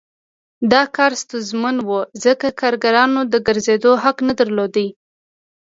دا کار ستونزمن و ځکه کارګرانو د ګرځېدو حق نه درلود